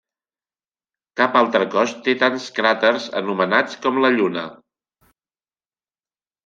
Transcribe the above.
Cap altre cos té tants cràters anomenats com la Lluna.